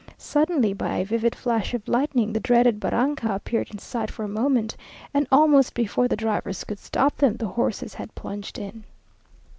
Suddenly, by a vivid flash of lightning, the dreaded barranca appeared in sight for a moment, and almost before the drivers could stop them, the horses had plunged in.